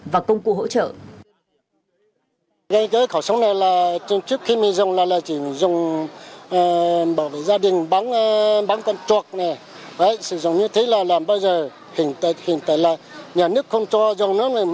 và công cụ hỗ trợ